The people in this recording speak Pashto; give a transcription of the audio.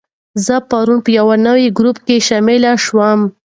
زه پرون په یو نوي ګروپ کې شامل شوم.